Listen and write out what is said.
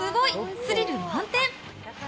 スリル満点！